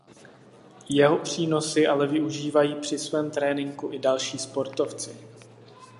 Jeho přínosy ale využívají při svém tréninku i další sportovci.